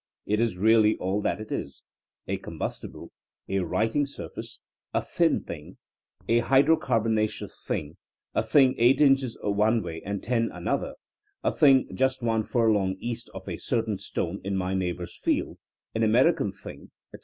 It is really all that it is: a combustible, a writing surface, a thin thing, a hydrocarbonaceous thing, a thing eight inches one way and ten an other, a thing just one furlong east of a certain stone in my neighbor's field, an American thing, etc.